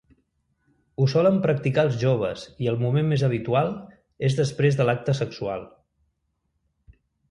Ho solen practicar els joves i el moment més habitual, és després de l'acte sexual.